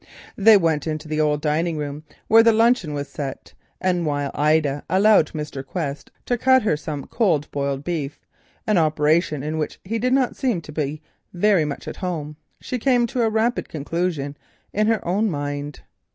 They went into the dining room, where the luncheon was set, and while Ida allowed Mr. Quest to cut her some cold boiled beef, an operation in which he did not seem to be very much at home, she came to a rapid conclusion in her own mind.